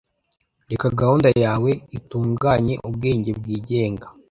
Reka gahunda yawe itunganye Ubwenge Bwigenga